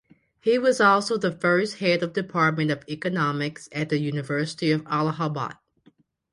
He was also the first Head of Department of Economics at University of Allahabad.